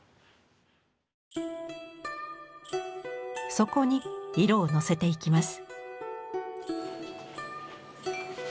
そこに色をのせていきます。